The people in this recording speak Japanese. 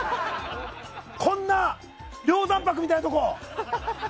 こんな梁山泊みたいなところ。